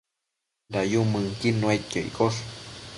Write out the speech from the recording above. Dayumënquid nuaidquio iccosh